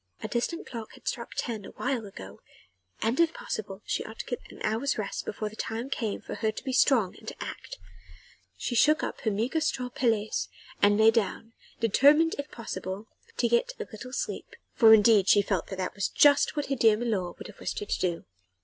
A distant clock had struck ten awhile ago and if possible she ought to get an hour's rest before the time came for her to be strong and to act: so she shook up her meagre straw paillasse and lay down, determined if possible to get a little sleep for indeed she felt that that was just what her dear milor would have wished her to do.